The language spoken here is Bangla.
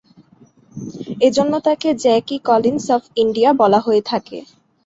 এজন্য তাকে "জ্যাকি কলিন্স অফ ইন্ডিয়া" বলা হয়ে থাকে।